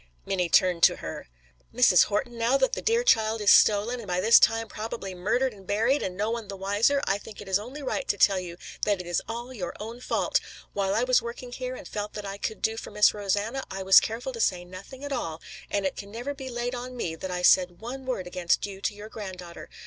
Minnie turned to her. "Mrs. Horton, now that the dear child is stolen and by this time probably murdered and buried, and no one the wiser, I think it is only right to tell you that it is all your fault. While I was working here and felt that I could do for Miss Rosanna, I was careful to say nothing at all, and it can never be laid to me that I said one word against you to your granddaughter.